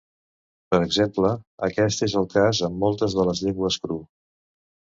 Per exemple, aquest és el cas amb moltes de les llengües Kru.